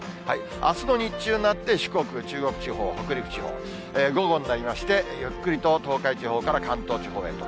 あすの日中になって、四国、中国地方、北陸地方、午後になりまして、ゆっくりと東海地方から関東地方へと。